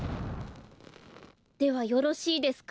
ではよろしいですか？